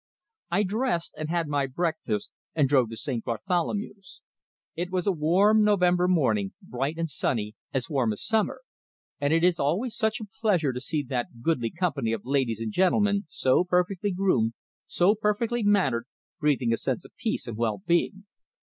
I dressed, and had my breakfast, and drove to St. Bartholomew's. It was a November morning, bright and sunny, as warm as summer; and it is always such a pleasure to see that goodly company of ladies and gentlemen, so perfectly groomed, so perfectly mannered, breathing a sense of peace and well being.